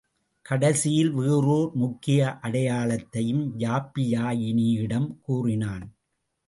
கடைசியில் வேறோர் முக்கிய அடையாளத்தையும் யாப்பியாயினியிடம் கூறினான்.